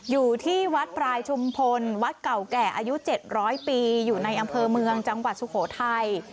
อยู่ที่วัดพรายชุมพลวัดเก่าแก่อายุ๗๐๐ปีอยู่ในอำเภอเมืองจังหวัดสุโขทัย